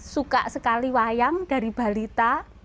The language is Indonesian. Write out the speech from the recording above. suka sekali wayang dari balita